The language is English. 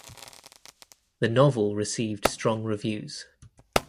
The novel received strong reviews.